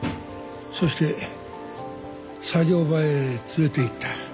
そして作業場へ連れていった。